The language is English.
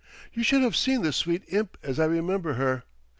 you should have seen the sweet imp as I remember her.